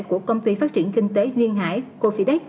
của công ty phát triển kinh tế nguyên hải